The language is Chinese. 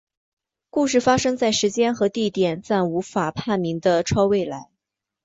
故事发生在时间和地点皆无法判明的超未来。